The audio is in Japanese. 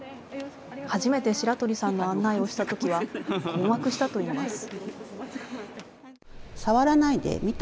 初めて白鳥さんの案内をしたときは、困惑したといいます。